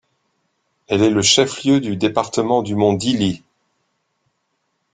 Elle est le chef-lieu du département du Mont d'Illi.